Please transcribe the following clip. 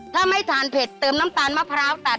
ถ้าไม่ทานเผ็ดเติมน้ำตาลมะพร้าวตัด